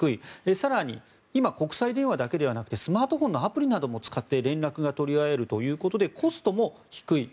更に、今、国際電話だけでなくてスマートフォンのアプリなども使って連絡が取り合えるということでコストも低い。